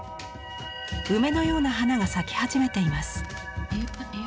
梅のような花が咲き始めています。